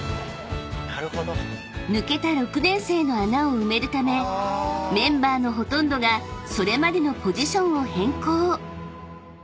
［抜けた６年生の穴を埋めるためメンバーのほとんどがそれまでのポジションを変更］